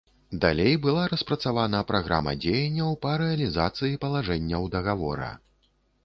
Далей была распрацавана праграма дзеянняў па рэалізацыі палажэнняў дагавора.